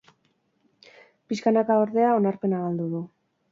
Piskanaka, ordea, onarpena galdu du.